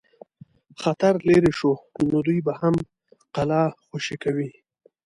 خطر لیري شو نو دوی به هم قلا خوشي کوي.